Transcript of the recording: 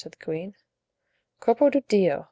said the queen. "Corpo di Dio!